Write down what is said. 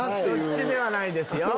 そっちではないですよ。